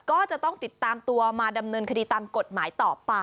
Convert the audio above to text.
ก็จะต้องติดตามตัวมาดำเนินคดีตามกฎหมายต่อไป